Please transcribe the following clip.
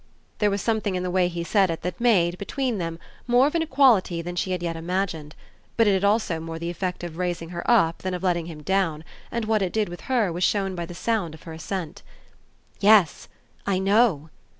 There was something in the way he said it that made, between them, more of an equality than she had yet imagined; but it had also more the effect of raising her up than of letting him down, and what it did with her was shown by the sound of her assent. "Yes I know!"